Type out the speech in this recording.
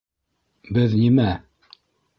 — Беҙ нимә!